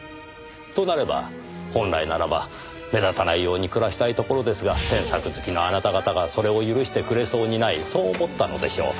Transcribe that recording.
となれば本来ならば目立たないように暮らしたいところですが詮索好きのあなた方がそれを許してくれそうにないそう思ったのでしょう。